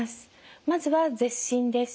まずは舌診です。